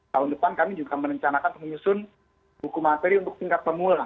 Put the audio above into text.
tahun depan kami juga merencanakan menyusun buku materi untuk tingkat pemula